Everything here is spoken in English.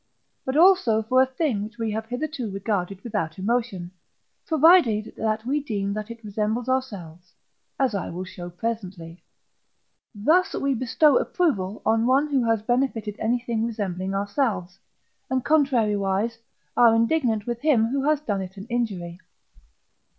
but also for a thing which we have hitherto regarded without emotion, provided that we deem that it resembles ourselves (as I will show presently). Thus, we bestow approval on one who has benefited anything resembling ourselves, and, contrariwise, are indignant with him who has done it an injury.